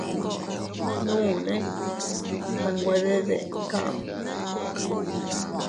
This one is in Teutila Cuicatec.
Uune a nwe deden kamu.